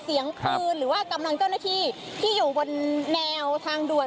เสียงปืนหรือว่ากำลังเจ้าหน้าที่ที่อยู่บนแนวทางด่วน